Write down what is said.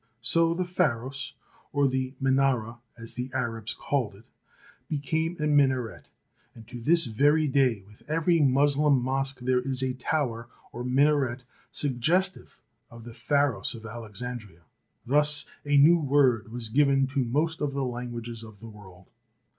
So the Pharos, or the Minara, as the Arabs called it, became a minaret, and to this very day with every Moslem mosque there is a tower or minaret, suggestive of the Pharos of Alexandria. Thus a new word was given to most of the languages of the world.